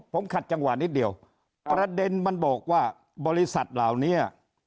ผมขัดจังหวะนิดเดียวประเด็นมันบอกว่าบริษัทเหล่านี้